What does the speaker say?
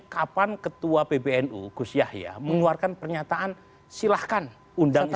kapan ketua pbnu gus yahya mengeluarkan pernyataan silahkan undang undang